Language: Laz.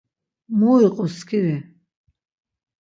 Mu iqu skiri?